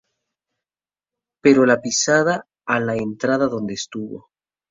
Pero dejó la pisada a la entrada donde estuvo.